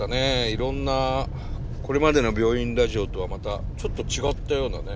いろんなこれまでの「病院ラジオ」とはまたちょっと違ったようなね。